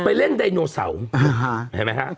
ไปเล่นไดโนเสาร์